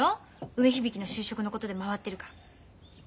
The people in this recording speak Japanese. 梅響の就職のことで回ってるから。